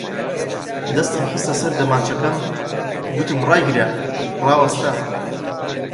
دەستم خستە سەر دەمانچەکەم، گوتم ڕایگرە! ڕاوەستا